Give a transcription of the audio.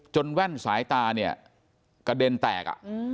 แว่นสายตาเนี่ยกระเด็นแตก